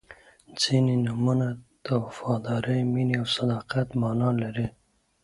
• ځینې نومونه د وفادارۍ، مینې او صداقت معنا لري.